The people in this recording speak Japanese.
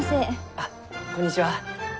あこんにちは。